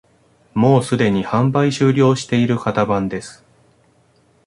もうすでに販売終了している型番です